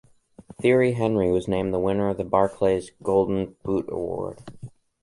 Thierry Henry was named the winner of the Barclays Golden Boot Award.